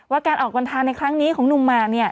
ว่าการออกบรรทางในครั้งนี้ของหนุ่มมาเนี่ย